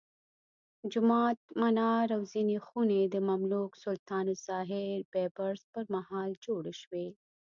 جومات، منار او ځینې خونې د مملوک سلطان الظاهر بیبرس پرمهال جوړې شوې.